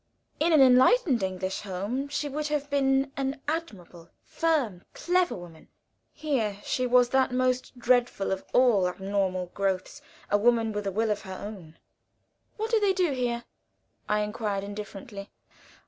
In an enlightened English home she would have been an admirable, firm, clever woman; here she was that most dreadful of all abnormal growths a woman with a will of her own. "What do they do here?" I inquired, indifferently.